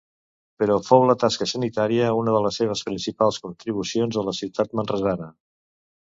Però fou la tasca sanitària una de les seves principals contribucions a la ciutat manresana.